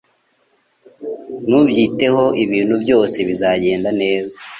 Ntubyiteho Ibintu byose bizagenda neza